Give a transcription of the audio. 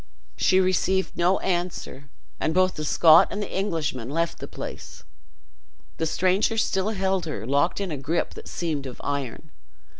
She received no answer, and both the Scot and the Englishman left the place. The stranger still held her locked in a gripe that seemed of iron.